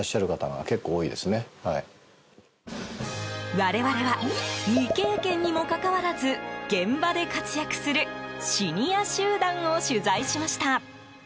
我々は、未経験にもかかわらず現場で活躍するシニア集団を取材しました。